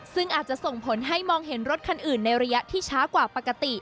ซึ่งอาจจะส่งผลให้มองเห็นรถคันอื่นในระยะที่ช้ากว่าปกติ